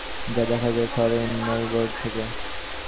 যা দেখা যায় শহরের মোলহেড থেকে।